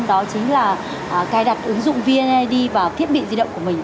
đó chính là cài đặt ứng dụng vneid vào thiết bị di động của mình